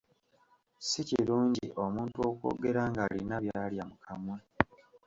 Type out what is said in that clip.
Si kirungi omuntu okwogera ng’alina byalya mu kamwa.